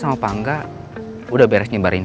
mudah mudahan kita berhasil rena